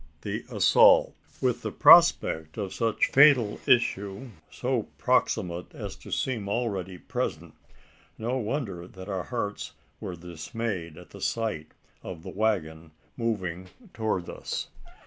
THE ASSAULT. With the prospect of such fatal issue so proximate as to seem already present no wonder that our hearts were dismayed at sight of the waggon moving towards us.